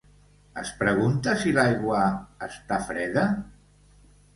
Es pregunta si l'aigua està freda?